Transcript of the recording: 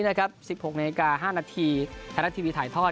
๑๖นาที๕นาทีแทนัททีวีถ่ายทอด